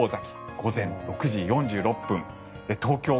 午前６時４６分。